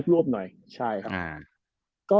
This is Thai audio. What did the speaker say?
รวบหน่อยใช่หรอ